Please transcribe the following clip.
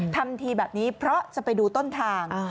ทำทีแบบนี้เพราะจะไปดูต้นทาง